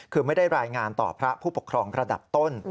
คือไม่ได้รายงานต่อพระผู้ปกครองระดับต้น